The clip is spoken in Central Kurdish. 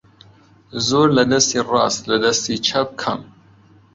زۆر لە دەستی ڕاست لە دەستی چەپ کەم